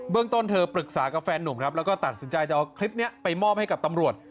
ต้นเธอปรึกษากับแฟนหนุ่มครับแล้วก็ตัดสินใจจะเอาคลิปนี้ไปมอบให้กับตำรวจ